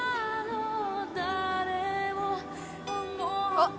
「あっ！」